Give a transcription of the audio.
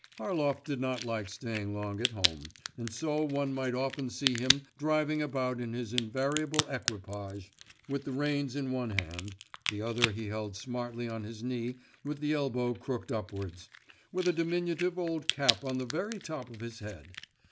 Harlov did not like staying long at home, and so one might often see him driving about in his invariable equipage, with the reins in one hand (the other he held smartly on his knee with the elbow crooked upwards), with a diminutive old cap on the very top of his head.